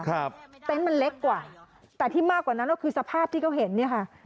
เต็นต์มันเล็กกว่าแต่ที่มากกว่านั้นก็คือสภาพที่เขาเห็นเนี่ยค่ะ